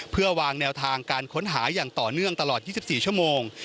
เพื่อวางแนวทางการค้นหาอย่างต่อเนื่องตลอด๒๔ชั่วโมง